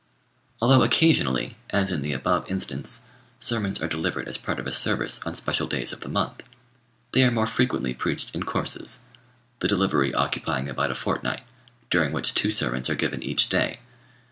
Although occasionally, as in the above instance, sermons are delivered as part of a service on special days of the month, they are more frequently preached in courses, the delivery occupying about a fortnight, during which two sermons are given each day.